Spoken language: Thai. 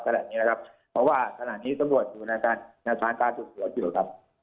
ก็แบบนี้นะครับเพราะว่าขณะนี้สมรวจอยู่ในสถานการณ์ส่วนส่วนอยู่แล้วครับ